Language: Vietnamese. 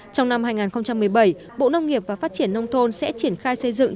trong năm hai nghìn một mươi bảy bộ nông nghiệp và phát triển nông thôn sẽ triển khai xây dựng